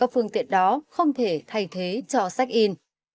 phương tiện đó không thể thay thế cho sách in